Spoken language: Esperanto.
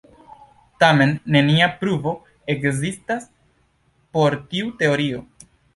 Tamen nenia pruvo ekzistas por tiu teorio.